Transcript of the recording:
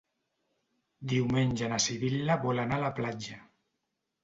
Diumenge na Sibil·la vol anar a la platja.